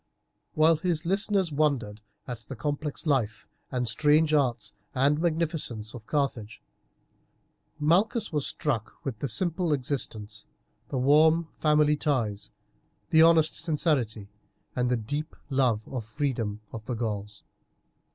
While his listeners wondered at the complex life and strange arts and magnificence of Carthage, Malchus was struck with the simple existence, the warm family ties, the honest sincerity, and the deep love of freedom of the Gauls.